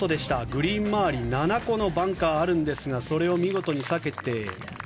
グリーン周り７個のバンカーあるんですがそれを見事に避けて。